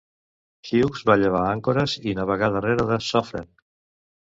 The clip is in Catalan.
Hughes va llevar àncores i navegà darrere de Suffren.